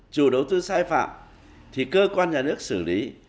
chủ đầu tư sai phạm thì cơ quan nhà nước xử lý